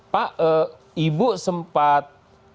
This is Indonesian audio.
pak ibu sempat